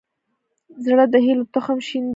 زړه د هيلو تخم شیندي.